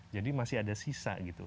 jadi masih ada sisa gitu